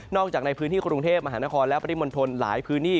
จากในพื้นที่กรุงเทพมหานครและปริมณฑลหลายพื้นที่